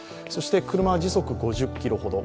車は時速５０キロほどです。